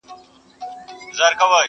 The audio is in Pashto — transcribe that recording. نه سور وي په محفل کي نه مطرب نه به غزل وي؛